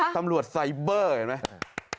ตำรวจไซเบอร์เห็นไหม